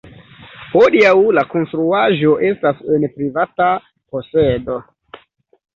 Hodiaŭ La konstruaĵo estas en privata posedo.